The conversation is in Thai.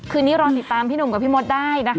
คืนนี้รอนติดตามนุ่มกับพี่ม็อตได้นะคะ